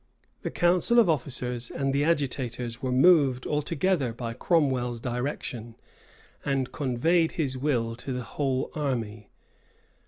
The council of officers and the agitators were moved altogether by Cromwell's direction, and conveyed his will to the whole army.